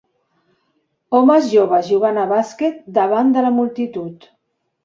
Homes joves jugant a bàsquet davant de la multitud.